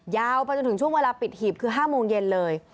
ยาวไปจนถึงช่วงเวลาปิดหีบคือ๕โมงเย็นเลย